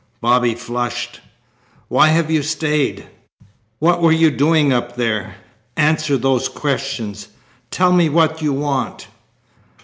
Bobby flushed. "Why have you stayed? What were you doing up there? Answer those questions. Tell me what you want."